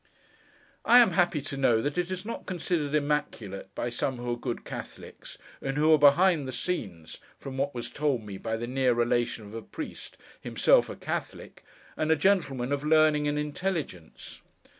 I am happy to know that it is not considered immaculate, by some who are good Catholics, and who are behind the scenes, from what was told me by the near relation of a Priest, himself a Catholic, and a gentleman of learning and intelligence.